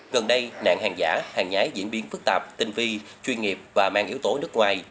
gần đây nạn hàng giả hàng nhái diễn biến phức tạp tinh vi chuyên nghiệp và mang yếu tố nước ngoài